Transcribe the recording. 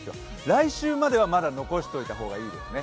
来週まではまだ残しておいた方がいいですね。